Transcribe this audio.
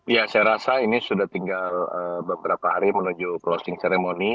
ya saya rasa ini sudah tinggal beberapa hari menuju closing ceremony